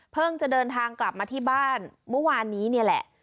เพิ่งจะเดินทางกลับมาที่บ้านมุมวานนี้เนี่ยแหละ